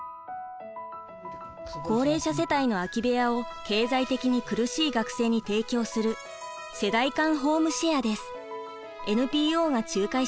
高齢者世帯の空き部屋を経済的に苦しい学生に提供するＮＰＯが仲介しました。